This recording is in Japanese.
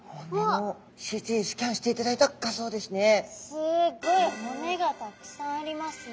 すっごい骨がたくさんありますね。